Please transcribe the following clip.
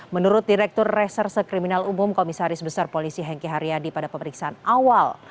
menurut direktur reserse kriminal umum komisaris besar polisi hengki haryadi pada pemeriksaan awal